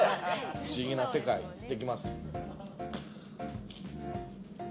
不思議な世界、行ってきます。